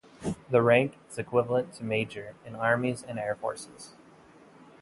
The rank is equivalent to Major in armies and air forces.